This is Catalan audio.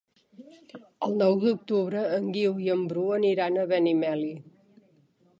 El nou d'octubre en Guiu i en Bru aniran a Benimeli.